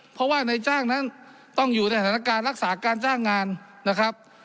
เพราะว่าในจ้างนั้นต้องอยู่ในสถานการณ์รักษาการจ้างงานนะครับ